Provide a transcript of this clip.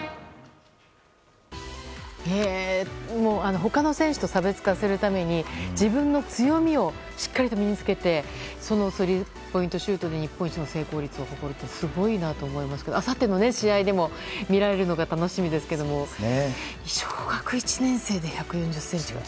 他の選手と差別化するために自分の強みをしっかりと身に付けてスリーポイントシュートで日本一の成功率を誇るってすごいなと思いますけどあさっての試合でも見られるのが楽しみですが小学１年生で１４０ｃｍ。